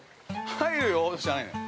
◆入るよじゃないのよ。